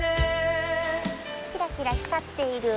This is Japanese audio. キラキラ光っている。